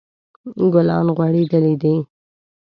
ګلان غوړیدلی دي